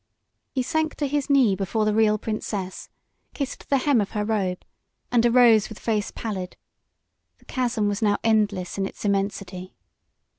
He sank to his knee before the real princess, kissed the hem of her robe and arose with face pallid. The chasm was now endless in its immensity.